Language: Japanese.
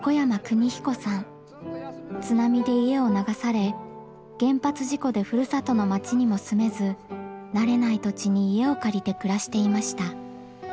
津波で家を流され原発事故でふるさとの町にも住めず慣れない土地に家を借りて暮らしていました。